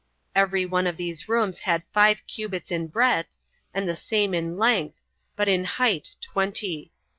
Every one of these rooms had five cubits in breadth, 7 and the same in length, but in height twenty.